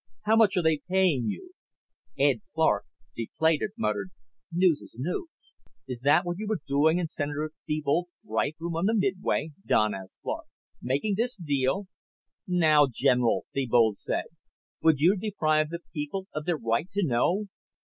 How much are they paying you?" Ed Clark, deflated, muttered, "News is news." "Is that what you were doing in Senator Thebold's Gripe Room on the midway?" Don asked Clark. "Making this deal?" "Now, General," Thebold said. "Would you deprive the people of their right to know?